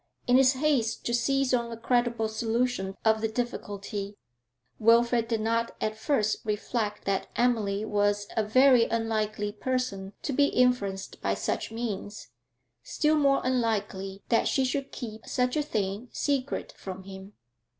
In his haste to seize on a credible solution of the difficulty, Wilfrid did not at first reflect that Emily was a very unlikely person to be influenced by such means, still more unlikely that she should keep such a thing secret from him.